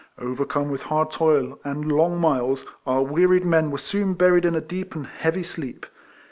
Overcome with hard toil, and long miles, our wearied men were soon buried in a deep and heavy sleep.